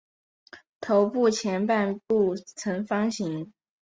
头部前半部呈方形。